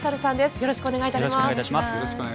よろしくお願いします。